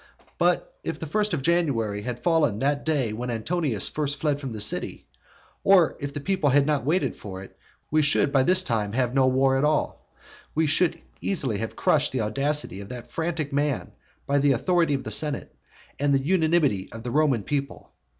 But if the first of January had fallen on the day when Antonius first fled from the city, or if people had not waited for it, we should by this time have no war at all. For we should easily have crushed the audacity of that frantic man by the authority of the senate and the unanimity of the Roman people.